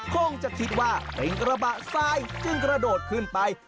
คงจะคิดว่าเป็นกระบะทรายจึงกระโดดขึ้นไป